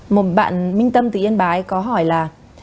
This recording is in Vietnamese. một bạn minh tâm từ yên bái có hỏi là